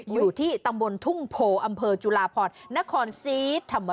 อยู่ที่ตำบลทุ่งโพอำเภอจุลาพรนครศรีธรรมราช